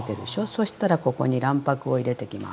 そしたらここに卵白を入れてきます。